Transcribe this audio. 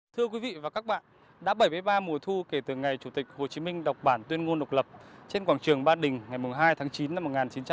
thưa quý vị và các bạn đã bảy mươi ba mùa thu kể từ ngày chủ tịch hồ chí minh đọc bản tuyên ngôn độc lập trên quảng trường ba đình ngày hai tháng chín năm một nghìn chín trăm bảy mươi